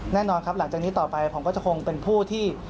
แน่นอนครับหลังจากนี้ต่อไปผมก็จะคงเป็นผู้ที่